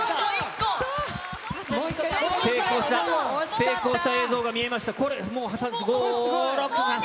成功した映像が見えました。